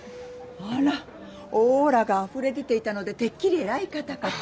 あらオーラがあふれでていたのでてっきり偉い方かと。